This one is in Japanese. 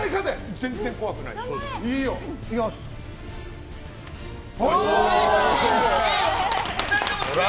全然怖くないです、正直。